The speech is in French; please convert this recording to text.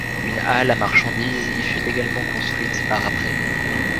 Une halle à marchandises y fut également construite par après.